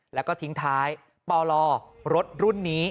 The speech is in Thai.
แล้วก็ทิ้งท้ายปลรถรุ่นนี้